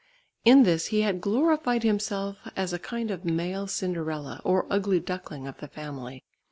In this he had glorified himself as a kind of male Cinderella, or ugly duckling of the family.